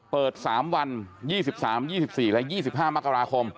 เปิด๓วัน๒๓๒๔และ๒๕มกราคม